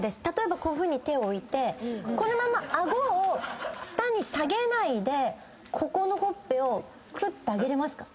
こういうふうに手を置いてこのまま顎を下に下げないでここのほっぺをくっ！って上げれますか？